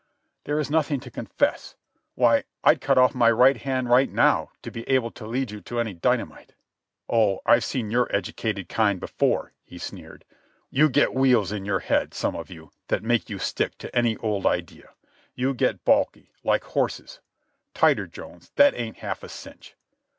"There is nothing to confess. Why, I'd cut off my right hand right now to be able to lead you to any dynamite." "Oh, I've seen your educated kind before," he sneered. "You get wheels in your head, some of you, that make you stick to any old idea. You get baulky, like horses. Tighter, Jones; that ain't half a cinch.